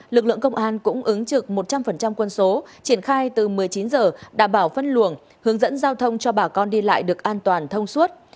lực lượng công an cũng ứng trực một trăm linh quân số triển khai từ một mươi chín giờ đảm bảo phân luồng hướng dẫn giao thông cho bà con đi lại được an toàn thông suốt